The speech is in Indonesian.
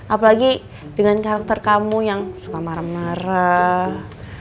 apalagi dengan karakter kamu yang suka marah marah